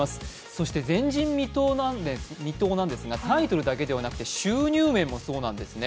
そして前人未到なんですがタイトルだけではなくて収入面もそうなんですね。